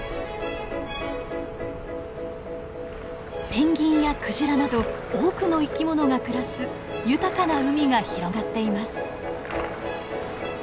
ペンギンやクジラなど多くの生き物が暮らす豊かな海が広がっています。